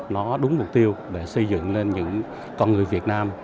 nó đúng mục tiêu để xây dựng lên những con người việt nam